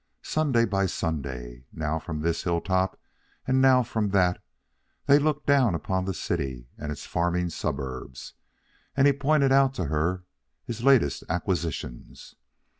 Sunday by Sunday, now from this hilltop and now from that, they looked down upon the city and its farming suburbs, and he pointed out to her his latest acquisitions.